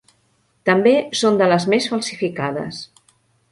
També són de les més falsificades.